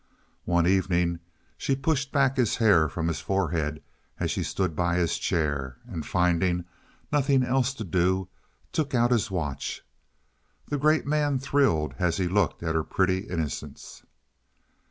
One evening she pushed his hair back from his forehead as she stood by his chair, and, finding nothing else to do, took out his watch. The great man thrilled as he looked at her pretty innocence.